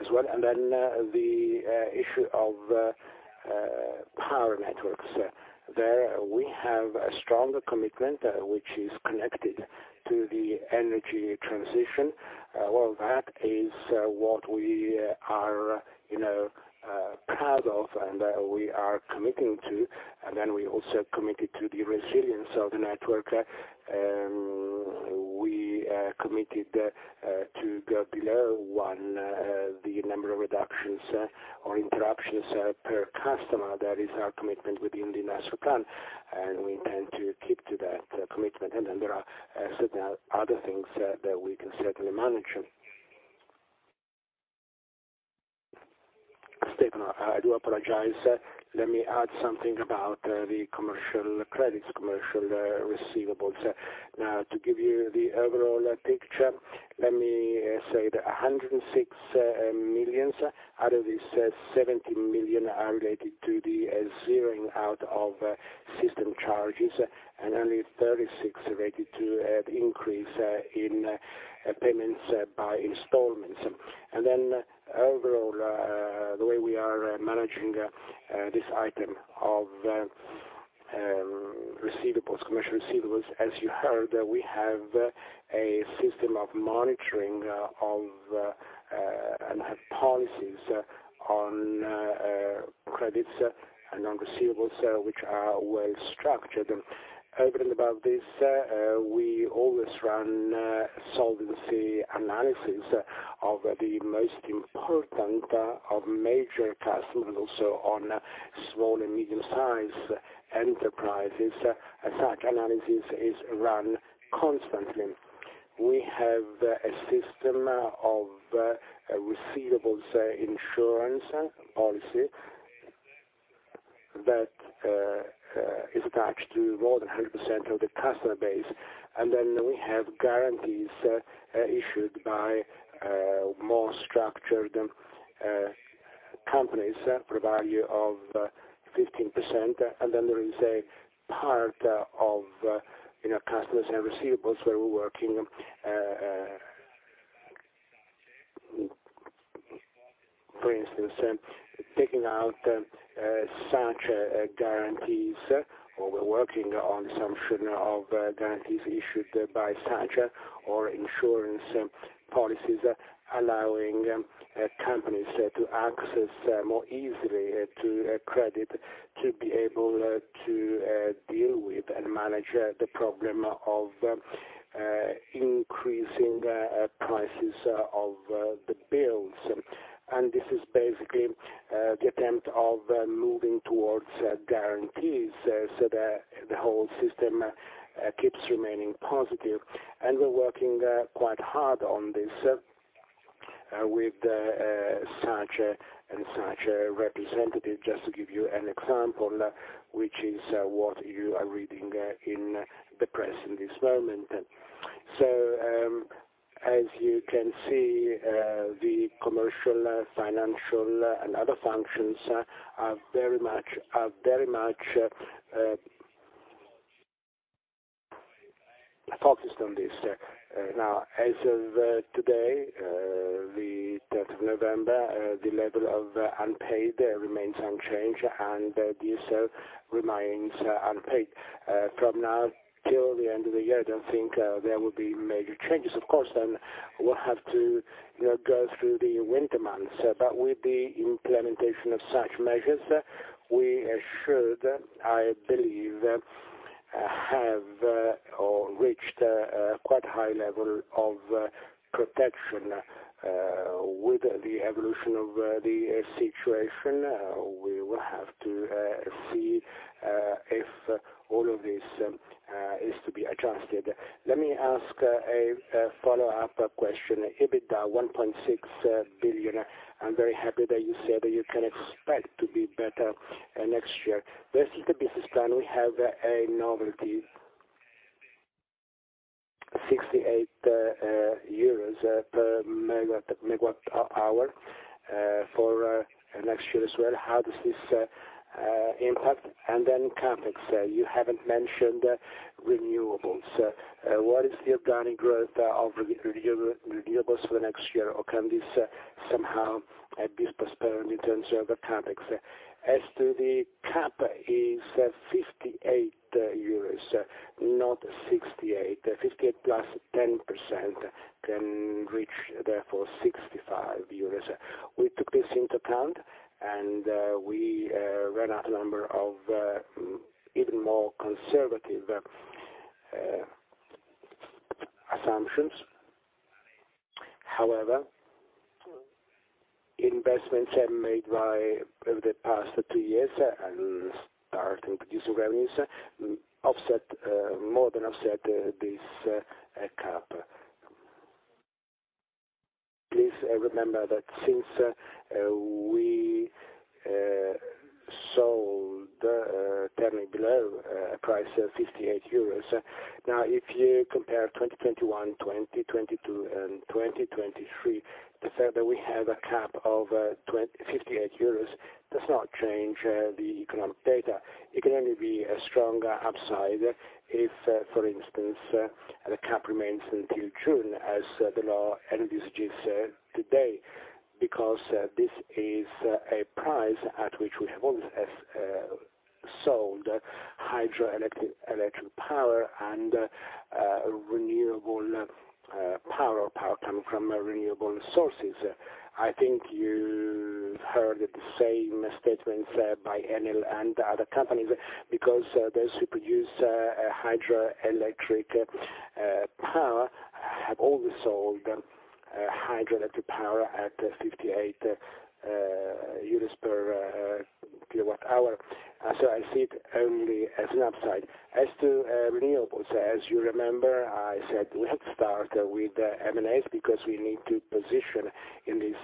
as well. The issue of power networks. There, we have a strong commitment which is connected to the energy transition. Well, that is what we are, you know, proud of, and we are committing to. We also committed to the resilience of the network. We are committed to go below one, the number of reductions or interruptions per customer. That is our commitment within the industrial plan, and we intend to keep to that commitment. There are certain other things that we can certainly manage. I do apologize. Let me add something about the commercial receivables. To give you the overall picture, let me say that 106 million out of this 70 million are related to the zeroing out of system charges and only 36 related to an increase in payments by installments. Overall, the way we are managing this item of receivables, commercial receivables, as you heard, we have a system of monitoring and have policies on credits and on receivables, which are well structured. Over and above this, we always run solvency analysis of the most important of major customers, also on small and medium-sized enterprises. Such analysis is run constantly. We have a system of receivables insurance policy that is attached to more than 100% of the customer base. Then we have guarantees issued by more structured companies for value of 15%. Then there is a part of, you know, customers and receivables where we're working, for instance, taking out such guarantees, or we're working on some sort of guarantees issued by SACE or insurance policies allowing companies to access more easily to credit, to be able to deal with and manage the problem of increasing prices of the bills. This is basically the attempt to moving towards guarantees so that the whole system keeps remaining positive. We're working quite hard on this with SACE and Confindustria representatives, just to give you an example, which is what you are reading in the press at this moment. As you can see, the commercial, financial and other functions are very much focused on this. Now, as of today, the third of November, the level of unpaid remains unchanged, and the DSO remains unpaid. From now till the end of the year, I don't think there will be major changes, of course, then we'll have to, you know, go through the winter months. With the implementation of such measures, we should, I believe, have or reached a quite high level of protection, with the evolution of the situation, we will have to see if all of this is to be adjusted. Let me ask a follow-up question. EBITDA 1.6 billion. I'm very happy that you say that you can expect to be better next year. Versus the business plan, we have now 68 EUR per megawatt hour for next year as well. How does this impact? Then CapEx, you haven't mentioned renewables. What is the organic growth of renewables for the next year? Or can this somehow be postponed in terms of the CapEx? As to the cap is 58 euros, not 68. 58 + 10% can reach, therefore, 65 euros. We took this into account, and we ran a number of even more conservative assumptions. However, investments made over the past two years and start producing revenues offset more than offset this cap. Please remember that since we sold Terna below price of 58 euros. Now, if you compare 2021, 2022, and 2023, the fact that we have a cap of 58 euros does not change the economic data. It can only be a stronger upside if, for instance, the cap remains until June, as the law envisages today, because this is a price at which we have always sold hydroelectric power and renewable power coming from renewable sources. I think you heard the same statements by Enel and other companies, because those who produce hydroelectric power have always sold hydroelectric power at 58 euros per MWh. So I see it only as an upside. As to renewables, as you remember, I said let's start with M&As because we need to position in this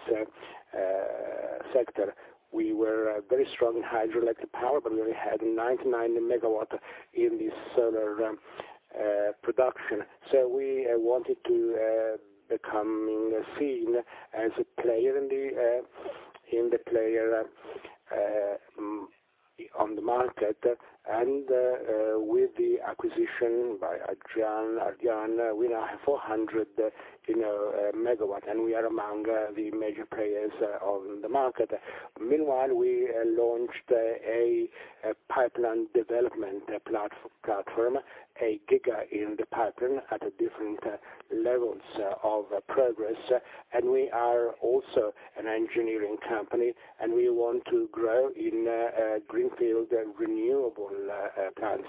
sector. We were very strong in hydroelectric power, but we only had 99 MW in solar production. We wanted to become seen as a player on the market. With the acquisition from Ardian, we now have 400 MW, and we are among the major players on the market. Meanwhile, we launched a pipeline development platform, a GW in the pipeline at different levels of progress. We are also an engineering company, and we want to grow in greenfield and renewable plants.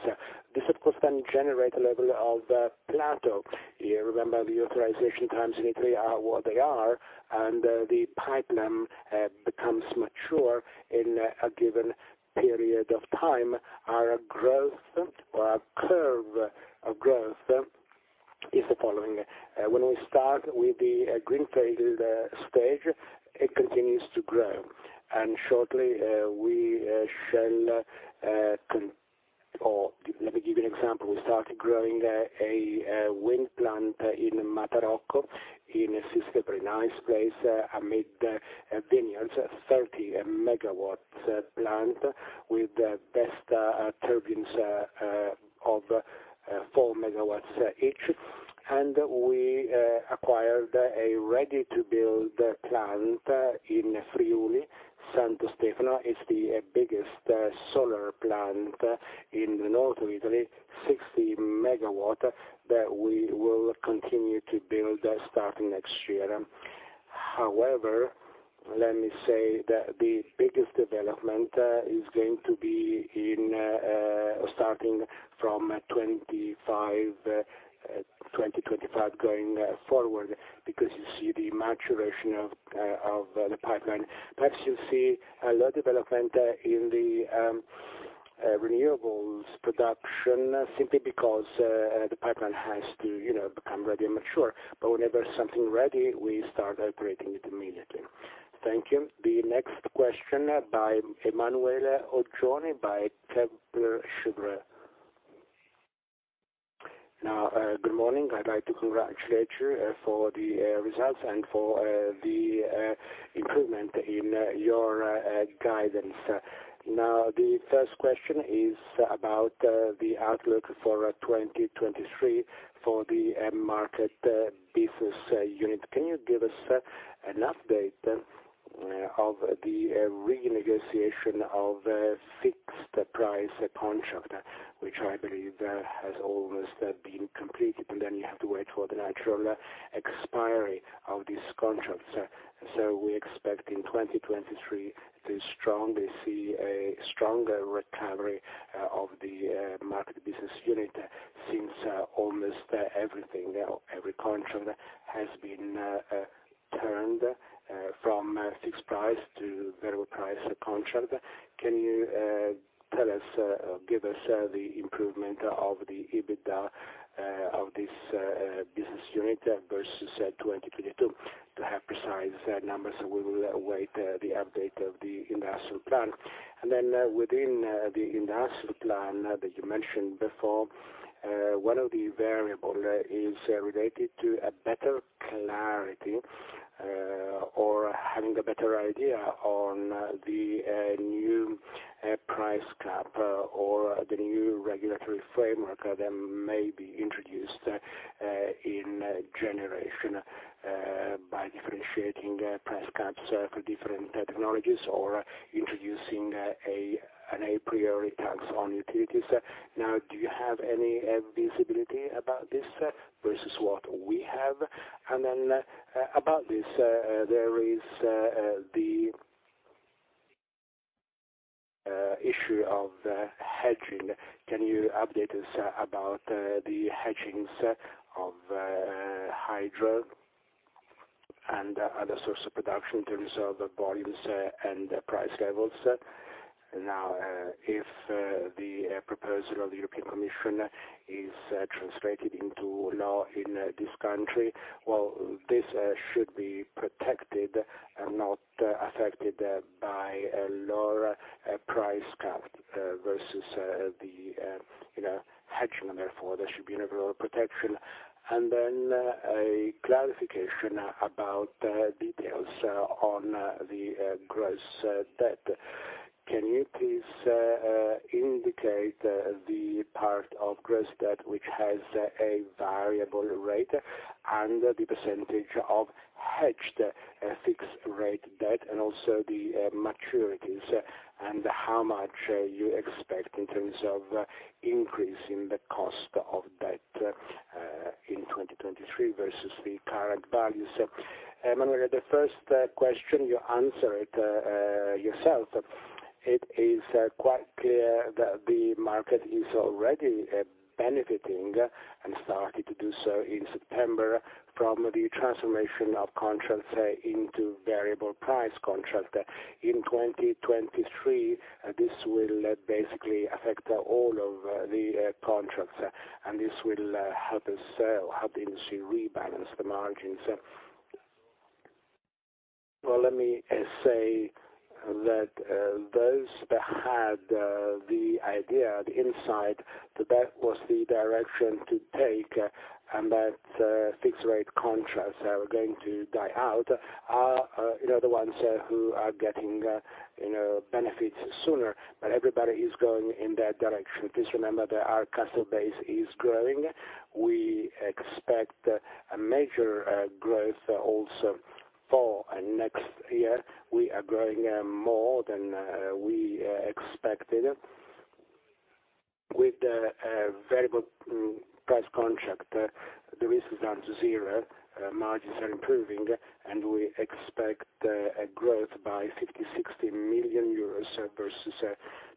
This of course can generate a level of CapEx. You remember the authorization times in Italy are what they are, and the pipeline becomes mature in a given period of time. Our growth or our curve of growth is the following: when we start with the greenfield stage, it continues to grow. Shortly, we shall or let me give you an example. We started growing a wind plant in Matarocco, in a 60, very nice place amid vineyards, 30-megawatt plant with the best turbines of 4 megawatts each. We acquired a ready-to-build plant in Friuli. Santo Stefano is the biggest solar plant in the north of Italy, 60-megawatt, that we will continue to build starting next year. However, let me say that the biggest development is going to be in starting from 25, 2025 going forward, because you see the maturation of the pipeline. Perhaps you'll see a lot of development in the renewables production simply because the pipeline has to, you know, become ready and mature. Whenever something ready, we start operating it immediately. Thank you. The next question by Emanuele Oggioni by Kepler Cheuvreux. Now, good morning. I'd like to congratulate you for the results and for the improvement in your guidance. Now, the first question is about the outlook for 2023 for the Markets business unit. Can you give us an update of the renegotiation of fixed price contract, which I believe has almost been completed, but then you have to wait for the natural expiry of this contract. We expect in 2023 to strongly see a stronger recovery of the market business unit since almost every contract has been turned from a fixed price to variable price contract. Can you give us the improvement of the EBITDA of this business unit versus 2022? To have precise numbers, we will await the update of the industrial plan. Within the industrial plan that you mentioned before, one of the variables is related to a better clarity or having a better idea on the new price cap or the new regulatory framework that may be introduced in generation by differentiating price caps for different technologies or introducing an a priori tax on utilities. Now, do you have any visibility about this versus what we have? Then, about this, there is the issue of hedging. Can you update us about the hedgings of hydro and other source of production in terms of volumes and price levels? Now, if the proposal of the European Commission is translated into law in this country, well, this should be protected and not affected by a lower price cap versus the you know, hedging, and therefore there should be universal protection. A clarification about details on the gross debt. Can you please indicate the part of gross debt which has a variable rate and the percentage of hedged fixed rate debt, and also the maturities, and how much you expect in terms of increase in the cost of debt in 2023 versus the current values? Emanuele, the first question you answered yourself. It is quite clear that the market is already benefiting and started to do so in September from the transformation of contracts into variable price contract. In 2023, this will basically affect all of the contracts, and this will help us sell, help the industry rebalance the margins. Well, let me say that those that had the idea, the insight, that was the direction to take and that fixed rate contracts are going to die out are, you know, the ones who are getting, you know, benefits sooner, but everybody is going in that direction. Please remember that our customer base is growing. We expect a major growth also for next year. We are growing more than we expected. With the variable price contract, the risk is down to zero, margins are improving, and we expect a growth by 50-60 million euros versus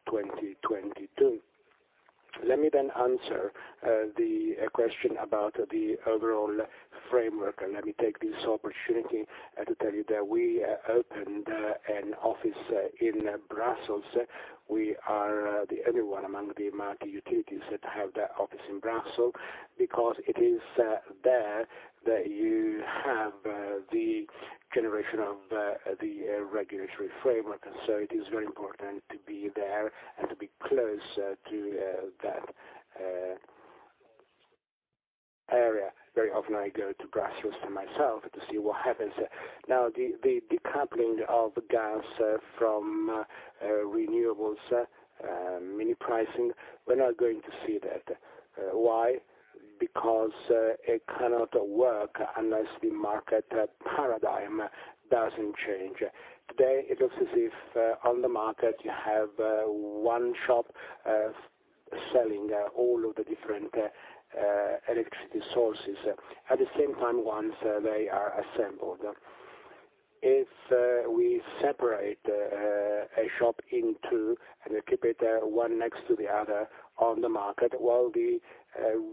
2022. Let me then answer the question about the overall framework, and let me take this opportunity to tell you that we opened an office in Brussels. We are the only one among the market utilities that have that office in Brussels, because it is there that you have the generation of the regulatory framework. It is very important to be there and to be close to that area. Very often, I go to Brussels to myself to see what happens. Now, the decoupling of gas from renewables, marginal pricing, we're not going to see that. Why? Because it cannot work unless the market paradigm doesn't change. Today, it looks as if on the market you have one shop selling all of the different electricity sources. At the same time, once they are assembled. If we separate a shop in two and keep it one next to the other on the market, while the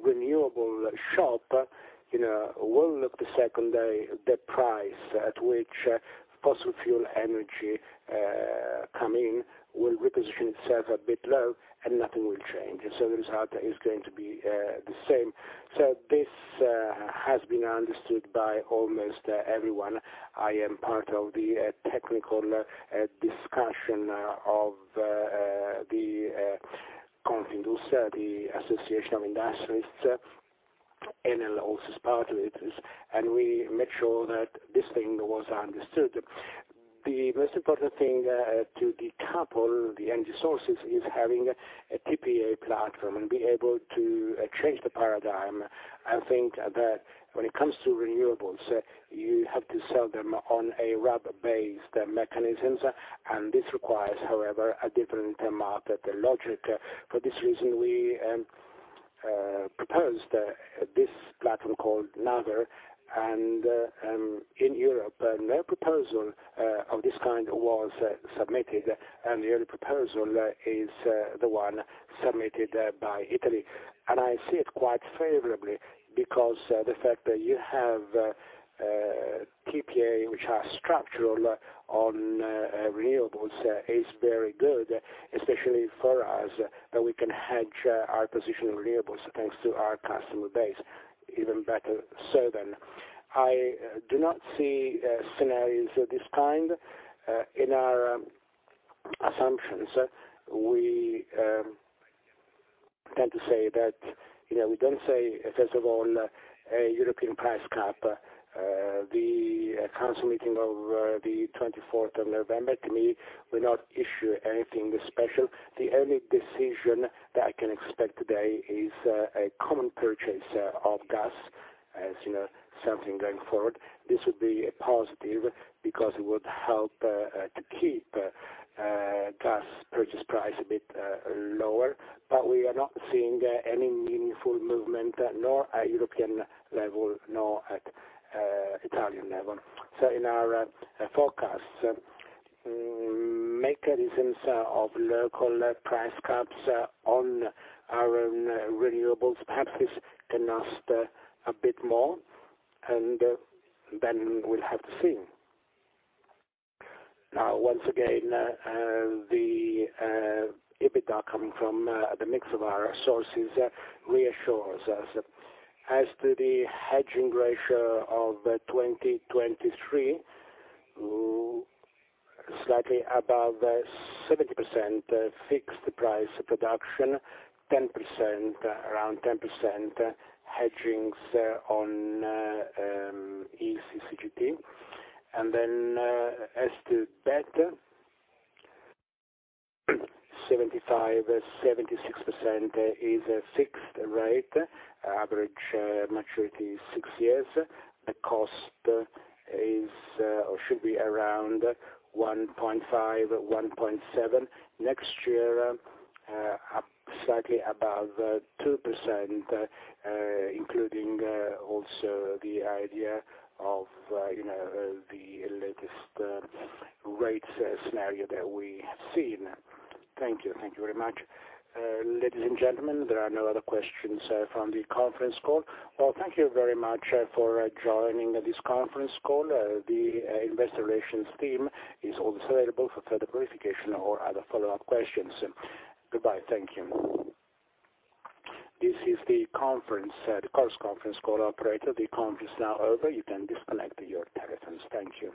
renewable shop, you know, will look to secondary the price at which fossil fuel energy come in, will reposition itself a bit low, and nothing will change. The result is going to be the same. This has been understood by almost everyone. I am part of the technical discussion of the Confindustria, the Association of Industrialists. Enel also is part of it, and we made sure that this thing was understood. The most important thing to decouple the energy sources is having a TPA platform and be able to change the paradigm. I think that when it comes to renewables, you have to sell them on a RAB-based mechanisms, and this requires, however, a different market logic. For this reason, we proposed this platform called Nera, and in Europe, no proposal of this kind was submitted, and the only proposal is the one submitted by Italy. I see it quite favorably, because the fact that you have PPA, which are structural on renewables is very good, especially for us, that we can hedge our position in renewables, thanks to our customer base, even better so then. I do not see scenarios of this kind in our assumptions. We tend to say that, you know, we don't say, first of all, a European price cap. The council meeting of the twenty-fourth of November, to me, will not issue anything special. The only decision that I can expect today is a common purchase of gas, as you know, something going forward. This would be positive because it would help to keep gas purchase price a bit lower, but we are not seeing any meaningful movement, nor at European level, nor at Italian level. In our forecast, mechanisms of local price caps on our own renewables perhaps can last a bit more, and then we'll have to see. Now, once again, the EBITDA coming from the mix of our sources reassures us. As to the hedging ratio of 2023, slightly above 70% fixed price production, 10%, around 10% hedging on CCGT. As to debt, 75-76% is fixed rate, average maturity is six years. The cost is or should be around 1.5-1.7%. Next year up slightly above 2%, including also the idea of you know the latest rate scenario that we have seen. Thank you. Thank you very much. Ladies and gentlemen, there are no other questions from the conference call. Well, thank you very much for joining this conference call. The investor relations team is always available for further clarification or other follow-up questions. Goodbye. Thank you. This is the Chorus Call conference call operator. The conference is now over. You can disconnect your telephones. Thank you.